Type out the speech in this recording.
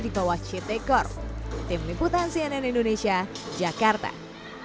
dan kami ingin memastikan kami memberikan pengalaman terbaik kepada pengunjung